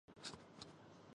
教学设施完善。